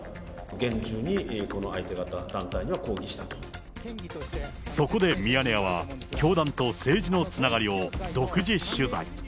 厳重に、この相手方、そこでミヤネ屋は、教団と政治のつながりを独自取材。